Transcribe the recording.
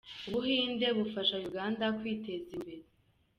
Ubuhinde bufasha Uganda kwiteza imbere.